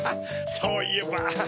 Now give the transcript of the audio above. そういえば。